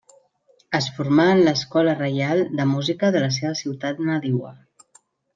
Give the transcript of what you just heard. Es formà en l'Escola Reial de Música de la seva ciutat nadiua.